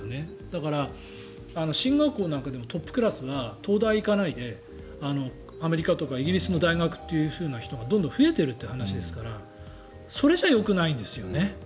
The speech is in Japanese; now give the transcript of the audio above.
だから、進学校なんかでもトップクラスは東大に行かないでアメリカとかイギリスの大学という人がどんどん増えているという話ですからそれじゃ、よくないんですね。